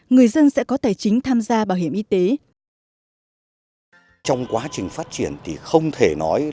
người dân sẽ có tài chính tham gia bảo hiểm y tế